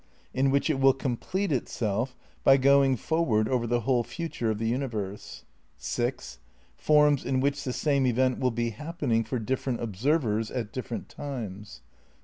in which it will complete itself by going forward over the whole future of the universe. 6. Forms in which the same event will be happening for different observers at different times.